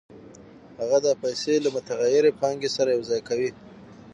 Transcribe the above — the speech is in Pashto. هغه دا پیسې له متغیرې پانګې سره یوځای کوي